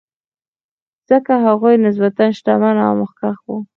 ځکه هغوی نسبتا شتمن او مخکښ وو.